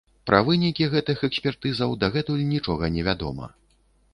Пра вынікі гэтых экспертызаў дагэтуль нічога не вядома.